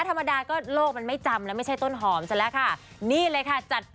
เอ่อไปด้วยวันนั้นก่อนแรก